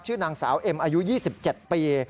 นางสาวเอ็มอายุ๒๗ปี